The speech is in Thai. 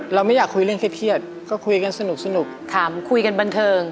เราไม่อยากคุยเรื่องเครียดเครียดก็คุยกันสนุกสนุกค่ะคุยกันบันเทิง